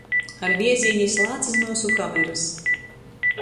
Ar viezīni jis lāc iz myusu kamerys.